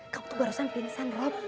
kamu tuh barusan pingsan rob